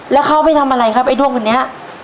แล้วเขาไปทำอะไรครับไอ้ด้วงคนนี้